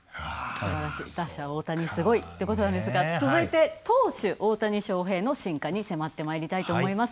打者大谷すごいってことなんですが続いて投手大谷翔平の進化に迫ってまいりたいと思います。